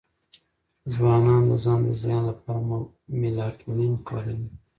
ځوانان د ځان د زیان لپاره میلاټونین کاروي.